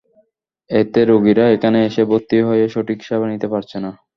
এতে রোগীরা এখানে এসে ভর্তি হয়ে সঠিক সেবা নিতে পারছে না।